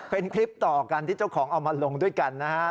เป็นคลิปต่อกันที่เจ้าของเอามาลงด้วยกันนะฮะ